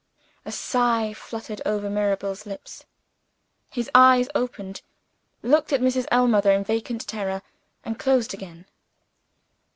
A sigh fluttered over Mirabel's lips. His eyes opened, looked at Mrs. Ellmother in vacant terror, and closed again.